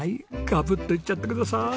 ガブッといっちゃってください。